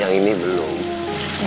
yang ini belum